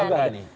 iya juga berani